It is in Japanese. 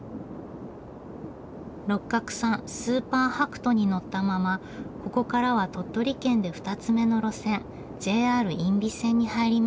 六角さんスーパーはくとに乗ったままここからは鳥取県で２つ目の路線ＪＲ因美線に入りました。